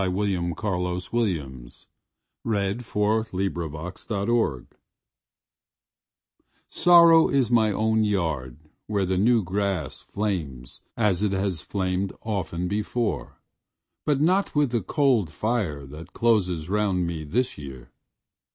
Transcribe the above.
William Carlos Williams The Widow's Lament in Springtime SORROW is my own yard where the new grass flames as it has flamed often before but not with the cold fire that closes round me this year.